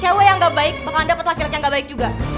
cewek yang gak baik bakalan dapet laki laki yang gak baik juga